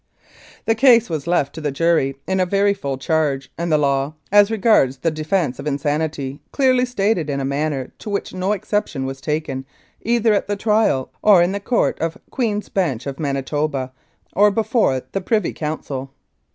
The case was left to the jury in a very full charge, and the law, as regards the defence of insanity, clearly stated in a manner to which no exception was taken either at the trial or in the Court of Queen's Bench of Manitoba or before the Privy Council.